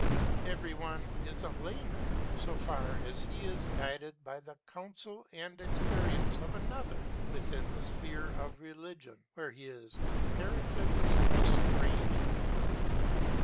Every one is a layman, so far as he is guided by the counsel and experience of another, within the sphere of religion, where he is comparatively a stranger.